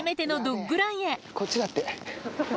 こっちだって。